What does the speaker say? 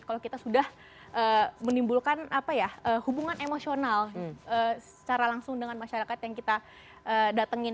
kalau kita sudah menimbulkan hubungan emosional secara langsung dengan masyarakat yang kita datengin